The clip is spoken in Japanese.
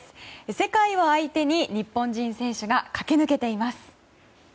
世界を相手に日本人選手が駆け抜けています。